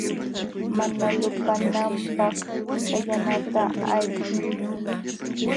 Mana lupananpaq kallanata aychinki.